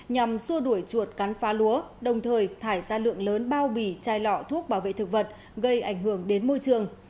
nhằm xua đuổi chuột cắn phá lúa đồng thời thải ra lượng lớn bao bì chai lọ thuốc bảo vệ thực vật gây ảnh hưởng đến môi trường